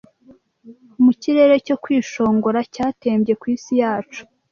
Mu kirere cyo kwishongora cyatembye ku isi yacu,